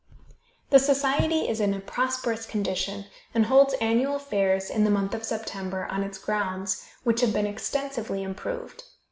The society is in a prosperous condition, and holds annual fairs, in the month of September, on its grounds, which have been extensively improved.